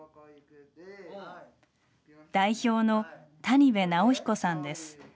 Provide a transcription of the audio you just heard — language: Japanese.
代表の谷部有彦さんです。